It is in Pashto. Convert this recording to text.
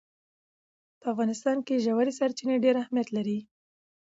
په افغانستان کې ژورې سرچینې ډېر اهمیت لري.